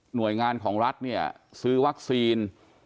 หน่วยงานของรัฐเนี่ยซื้อวัคซีน